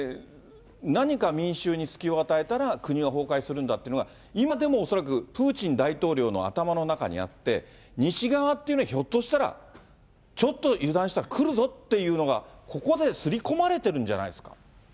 何か民衆に隙を与えたら、国は崩壊するんだっていうのが、今でも恐らく、プーチン大統領の頭の中にあって、西側っていうのは、ひょっとしたら、ちょっと油断したら来るぞっていうのが、ここで刷り込まれてるんじゃないですか。